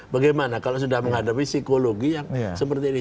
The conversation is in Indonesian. bagaimana kalau sudah menghadapi psikologi yang seperti ini